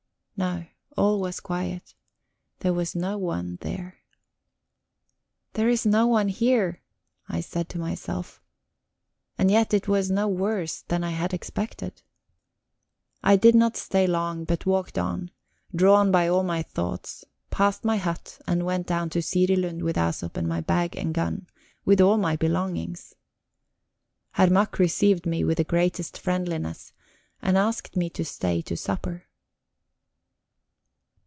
No, all was quiet; there was no one there. "There is no one here," I said to myself. And yet it was no worse than I had expected. I did not stay long, but walked on, drawn by all my thoughts, passed by my hut, and went down to Sirilund with Æsop and my bag and gun with all my belongings. Herr Mack received me with the greatest friendliness, and asked me to stay to supper.